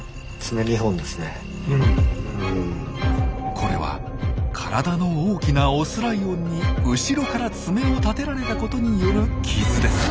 これは体の大きなオスライオンに後ろから爪を立てられたことによる傷です。